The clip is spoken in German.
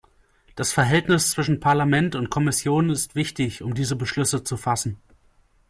Das Verhältnis zwischen Parlament und Kommission ist wichtig, um diese Beschlüsse zu fassen.